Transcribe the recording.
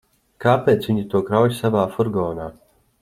Kāpēc viņa to krauj savā furgonā?